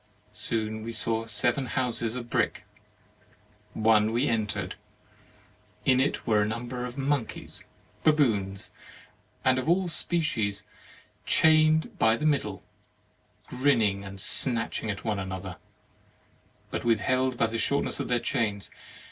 Soon we saw seven houses of brick. One we entered. In it were a number of monkeys, baboons, and all of that species, chained by the middle, grinning and snatching at one another, but withheld by the shortness of their chains.